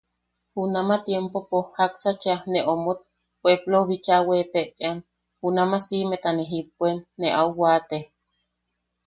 Junama tiempopo jaksa cheʼa ne omot, puepplou bicha weepeʼean, junnama siʼimeta ne jippuen, ne au waate.